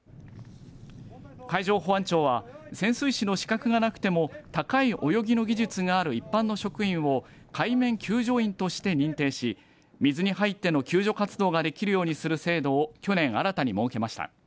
海上保安庁は潜水士の資格がなくても高い泳ぎの技術がある一般の職員を海面救助員として認定し水に入っての救助活動ができるようにする制度を去年新たに設けました。